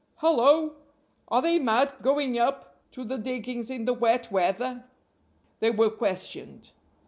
"Hallo! are they mad, going up to the diggings in the wet weather!" They were questioned.